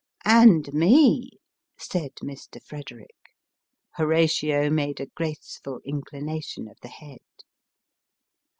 " And me," said Mr. Frederick. Horatio made a graceful inclina tion of the head.